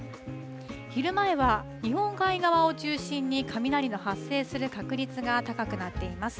昼前は日本海側を中心に雷の発生する確率が高くなっています。